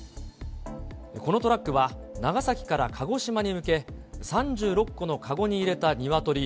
このトラックは、長崎から鹿児島に向け、３６個の籠に入れたニワトリ